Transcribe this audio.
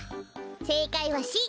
せいかいはシ！